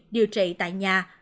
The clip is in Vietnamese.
điều trị tại nhà